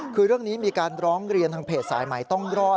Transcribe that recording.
คือเรื่องนี้มีการร้องเรียนทางเพจสายใหม่ต้องรอด